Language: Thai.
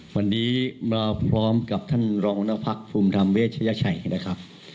วันนี้มาพร้อมกับท่านรองหัวหน้าพักภูมิธรรมเวชยชัยนะครับ